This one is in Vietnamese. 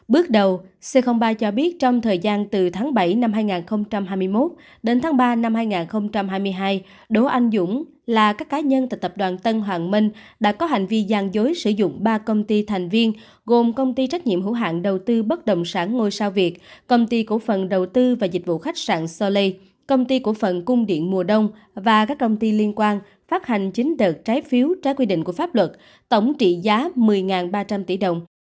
bước đầu c ba cho biết trong thời gian từ tháng bảy năm hai nghìn hai mươi một đến tháng ba năm hai nghìn hai mươi hai đỗ anh dũng là các cá nhân tại tập đoàn tân hoàng minh đã có hành vi gian dối sử dụng ba công ty thành viên gồm công ty trách nhiệm hữu hạng đầu tư bất động sản ngôi sao việt công ty cổ phận đầu tư và dịch vụ khách sạn soleil công ty cổ phận cung điện mùa đông và các công ty liên quan phát hành chính đợt trái phiếu trái quy định của pháp luật tổng trị giá một mươi ba trăm linh tỷ đồng